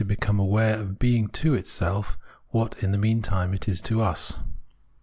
becomes aware of being to itself what, in the meantime, it is to us].